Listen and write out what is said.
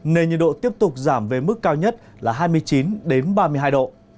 nên nhiệt độ tiếp tục giảm về mức cao nhất là hai mươi chín ba mươi hai độ